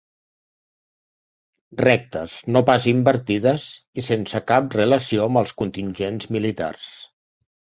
Rectes, no pas invertides, i sense cap relació amb els contingents militars.